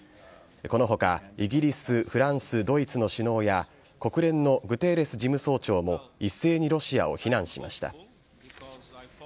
このほか、イギリス、フランス、ドイツの首脳や国連のグテーレス事務総長も一斉にロシアを非難しました。